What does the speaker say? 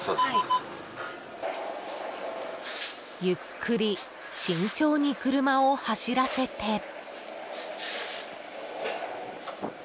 ゆっくり慎重に車を走らせて。